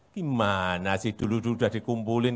gimana sih dulu dulu udah dikumpulin